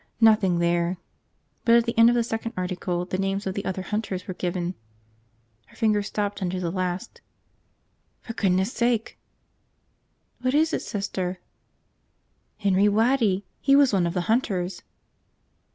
Nothing there. But at the end of the second article the names of the other hunters were given. Her finger stopped under the last. "For goodness' sake!" "What is it, Sister?" "Henry Waddy! He was one of the hunters!"